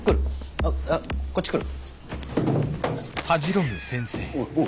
あっこっち来る？